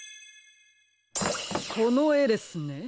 このえですね。